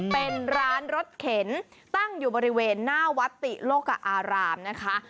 เป็นร้านรถเข็นตั้งอยู่บริเวณหน้าวัดติโลกอารามนะคะ